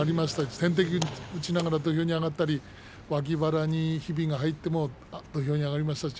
点滴を打ちながら土俵に上がったり、脇腹にひびが入っても土俵に上がりました。